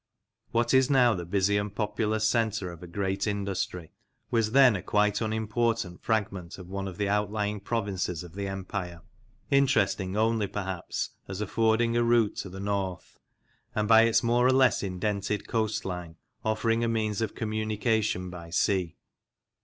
What is now the busy and populous centre of a great industry was then a quite unimportant fragment of one of the outlying provinces of the Empire, interesting only perhaps as affording a route to the north, and by its more or less indented coast line offering a means of communication by sea.